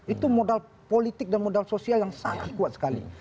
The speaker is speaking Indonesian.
itu modal politik dan modal sosial yang sangat kuat sekali